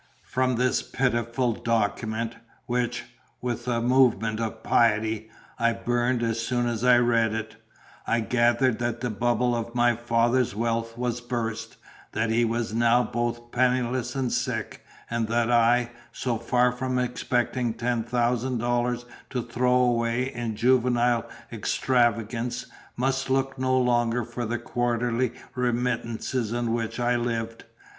From this pitiful document, which (with a movement of piety) I burned as soon as I had read it, I gathered that the bubble of my father's wealth was burst, that he was now both penniless and sick; and that I, so far from expecting ten thousand dollars to throw away in juvenile extravagance, must look no longer for the quarterly remittances on which I lived.